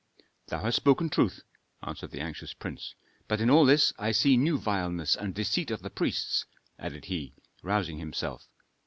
"Thou hast spoken truth!" answered the anxious prince. "But in all this I see new vileness and deceit of the priests," added he, rousing himself.